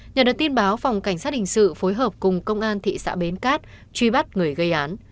nhờ được tin báo phòng cảnh sát hình sự phối hợp cùng công an thị xã bến cát truy bắt người gây án